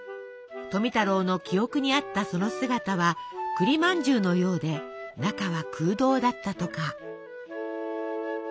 富太郎の記憶にあったその姿は栗まんじゅうのようで中は空洞だったとか。